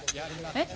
えっ？